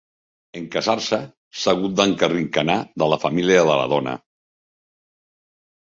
En casar-se, s'ha hagut d'encarranquinar de la família de la dona.